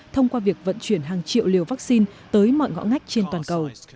thông qua việc vận chuyển hàng triệu liều vắc xin tới mọi ngõ ngách trên toàn cầu